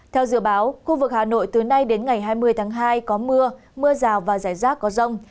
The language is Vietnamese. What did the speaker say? theo dự báo khu vực hà nội từ nay đến ngày hai mươi tháng hai có mưa mưa rào và rải rác có rông